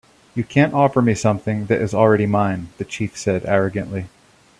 "You can't offer me something that is already mine," the chief said, arrogantly.